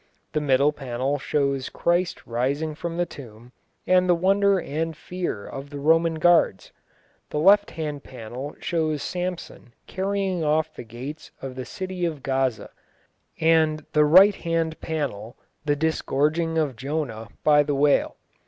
The middle panel shows Christ rising from the tomb, and the wonder and fear of the Roman guards; the left hand panel shows Samson carrying off the gates of the city of Gaza, and the right hand panel the disgorging of Jonah by the whale.